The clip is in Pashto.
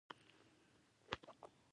انټي بیوټیک بکتریاوې وژني